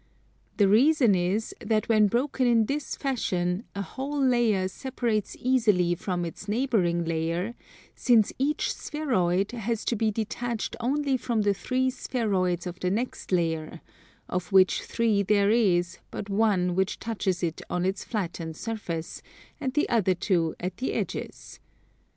The reason is that when broken in this fashion a whole layer separates easily from its neighbouring layer since each spheroid has to be detached only from the three spheroids of the next layer; of which three there is but one which touches it on its flattened surface, and the other two at the edges.